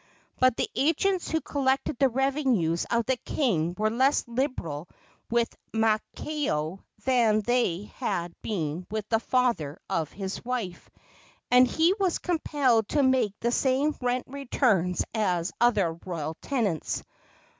But the agents who collected the revenues of the king were less liberal with Maakao than they had been with the father of his wife, and he was compelled to make the same rent returns as other royal tenants.